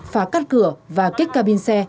phá cắt cửa và kích ca bin xe